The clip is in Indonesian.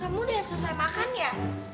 kamu udah selesai makan ya